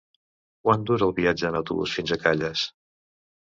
Quant dura el viatge en autobús fins a Calles?